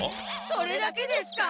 それだけですか？